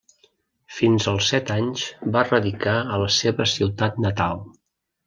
Fins als set anys va radicar a la seva ciutat natal.